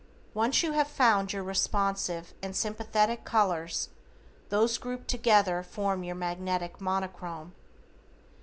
Once you have found your responsive and sympathetic colors, those grouped together form your Magnetic Monochrome.